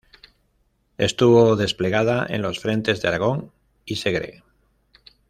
Estuvo desplegada en los frentes de Aragón y Segre.